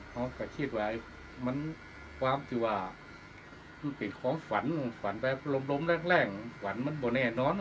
เขาก็คิดไว้มันความที่ว่ามันเป็นของฝันฝันไปลมแรกฝันมันบ่แน่นอน